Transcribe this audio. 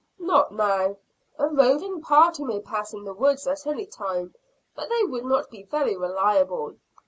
"Not now. A roving party may pass in the woods at any time. But they would not be very reliable.